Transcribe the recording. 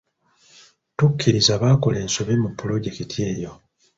Tukkiriza, baakola ensobi mu pulojekiti eyo.